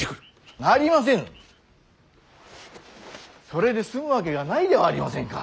それで済むわけがないではありませんか。